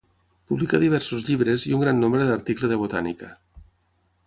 Publicà diversos llibres i un gran nombre d'article de botànica.